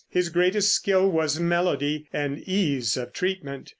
His greatest skill was melody and ease of treatment.